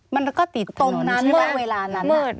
มันก็ติดตรงนั้นนะเวลานั้น